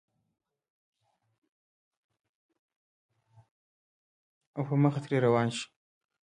او پۀ مخه ترې روان شې